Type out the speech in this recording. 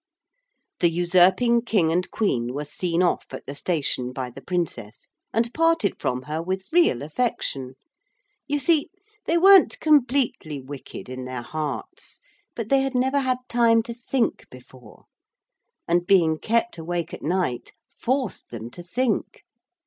The usurping King and Queen were seen off at the station by the Princess, and parted from her with real affection. You see they weren't completely wicked in their hearts, but they had never had time to think before. And being kept awake at night forced them to think.